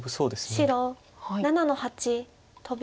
白７の八トビ。